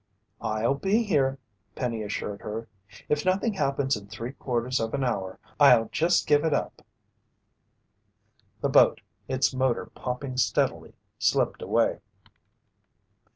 "I'll be here," Penny assured her. "If nothing happens in three quarters of an hour, I'll just give it up." The boat, it's motor popping steadily, slipped away.